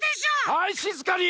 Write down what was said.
はいしずかに！